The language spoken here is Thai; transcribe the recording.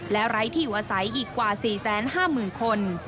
และไร้ที่อยู่อาศัยอีกกว่า๔๕๐๐๐คน